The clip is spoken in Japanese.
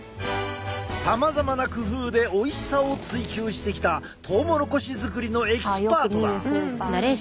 さまざまな工夫でおいしさを追求してきたトウモロコシ作りのエキスパートだ。